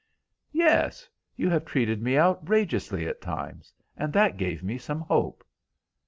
"Yes. You have treated me outrageously at times, and that gave me some hope."